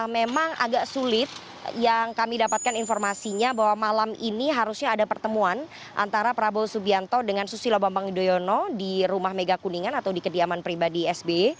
memang agak sulit yang kami dapatkan informasinya bahwa malam ini harusnya ada pertemuan antara prabowo subianto dengan susilo bambang yudhoyono di rumah mega kuningan atau di kediaman pribadi sb